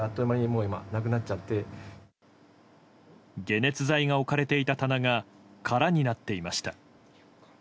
解熱剤が置かれていた棚が空になっていました。